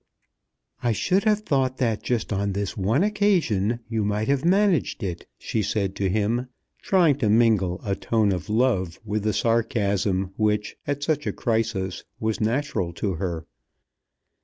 "I should have thought that just on this one occasion you might have managed it," she said to him, trying to mingle a tone of love with the sarcasm which at such a crisis was natural to her.